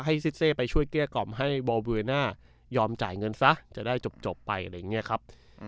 ซิเซไปช่วยเกลี้ยกล่อมให้วอลเวอร์น่ายอมจ่ายเงินซะจะได้จบไปอะไรอย่างนี้ครับ